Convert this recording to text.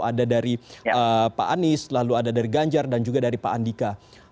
ada dari pak anies lalu ada dari ganjar dan juga dari pak andika